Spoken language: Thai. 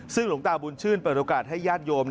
ซึ่งหลวงตาบุญชื่นเปิดโอกาสให้ญาติโยม